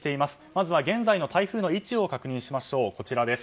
まずは現在の台風の位置を確認します。